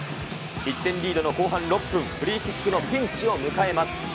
１点リードの後半６分、フリーキックのピンチを迎えます。